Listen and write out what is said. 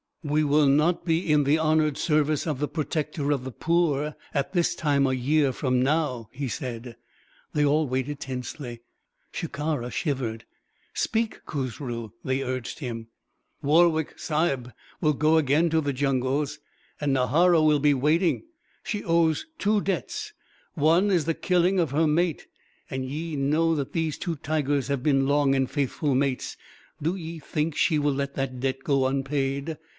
"We will not be in the honoured service of the Protector of the Poor at this time a year from now," he said. They all waited tensely. Shikara shivered. "Speak, Khusru," they urged him. "Warwick Sahib will go again to the jungles and Nahara will be waiting. She owes two debts. One is the killing of her mate and ye know that these two tigers have been long and faithful mates. Do ye think she will let that debt go unpaid?